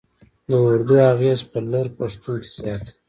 د اردو اغېز په لر پښتون کې زیات دی.